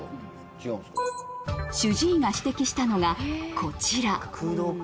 主治医が指摘したのがこちら